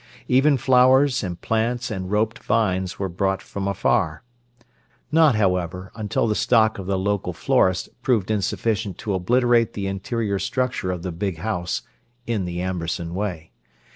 Even flowers and plants and roped vines were brought from afar—not, however, until the stock of the local florists proved insufficient to obliterate the interior structure of the big house, in the Amberson way.